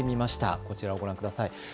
こちらをご覧ください。